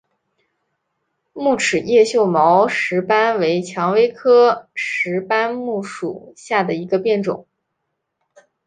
木齿叶锈毛石斑为蔷薇科石斑木属下的一个变种。